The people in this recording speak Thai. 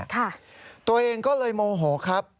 ตัวเองก็เลยโมโหครับ